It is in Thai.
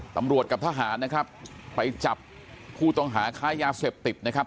ตำรวจกับทหารนะครับไปจับผู้ต้องหาค้ายาเสพติดนะครับ